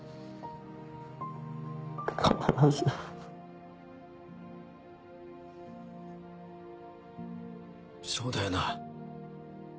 必ずそうだよな。